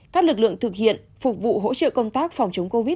các lực lượng thực hiện phục vụ hỗ trợ công tác phòng chống covid một mươi chín